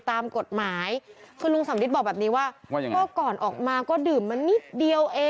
ถ้าไม่กินยางกู้อาจจะไม่พึงฟ้านเนี่ย